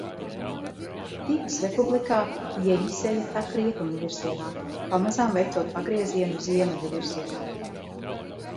Tivas Republikā Jeņiseja tek rietumu virzienā, pamazām veicot pagriezienu ziemeļu virzienā.